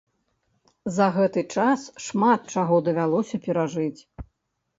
За гэты час шмат чаго давялося перажыць.